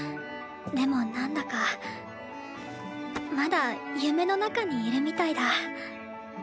でもなんだかまだ夢の中にいるみたいだ。